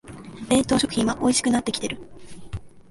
冷凍食品はおいしくなってきてる